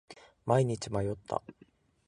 毎日迷った。